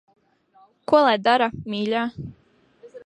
Ko lai dara, mīļā.